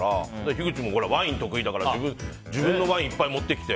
ひぐちもワインが得意だから自分のワインいっぱい持ってきて。